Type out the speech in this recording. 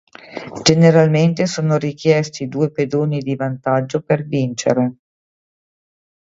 Generalmente sono richiesti due pedoni di vantaggio per vincere.